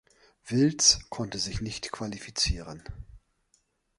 Wilds konnte sich nicht qualifizieren.